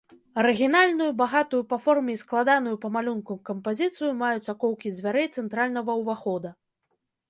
Арыгінальную, багатую па форме і складаную па малюнку кампазіцыю маюць акоўкі дзвярэй цэнтральнага ўвахода.